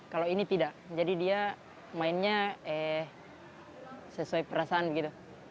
kalau ini tidak jadi dia mainnya sesuai perasaan gitu